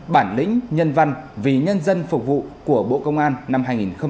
bản lĩnh nhân văn vì nhân dân phục vụ của bộ công an năm hai nghìn một mươi chín